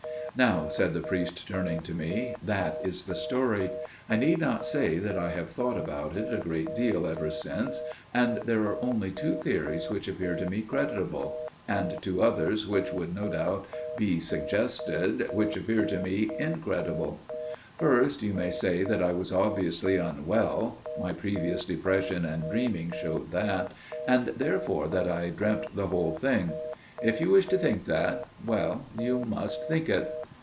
"Now," said the priest, turning to me, "that is the story. I need not say that I have thought about it a great deal ever since: and there are only two theories which appear to me credible, and two others, which would no doubt be suggested, which appear to me incredible. "First, you may say that I was obviously unwell: my previous depression and dreaming showed that, and therefore that I dreamt the whole thing. If you wish to think that––well, you must think it.